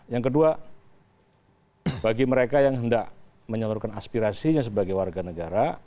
yang kedua bagi mereka yang hendak menyalurkan aspirasinya sebagai warga negara